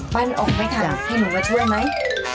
ปั้นออกไม่ทันให้หนูมาช่วยไหม